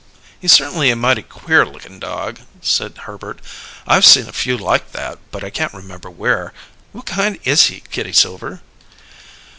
"He's certainly a mighty queer lookin' dog," said Herbert. "I've seen a few like that, but I can't remember where. What kind is he, Kitty Silver?"